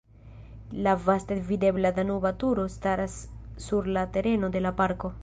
La vaste videbla Danuba Turo staras sur la tereno de la parko.